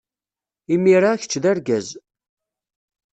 Imir-a, kečč d argaz.